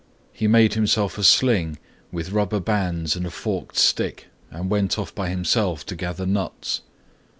He made himself a sling with rubber bands and a forked stick and went off by himself to gather nuts.